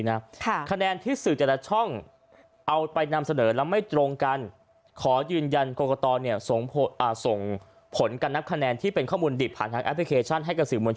นั้นเป็นไปตามที่หลักฯไม้กำหนดนะ